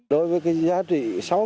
đối với cái giá trị